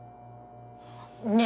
ねえ